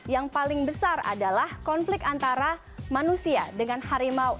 yang paling besar adalah konflik antara manusia dengan harimau